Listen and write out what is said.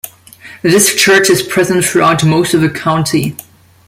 This chert is present throughout most of the county.